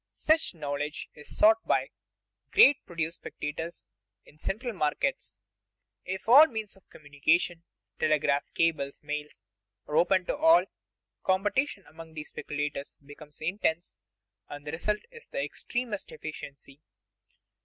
Such knowledge is sought by the great produce speculators in the central markets. If all means of communication telegraph, cables, mails are open to all, competition among these speculators becomes intense, and the result is the extremest efficiency.